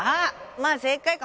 まあ正解か。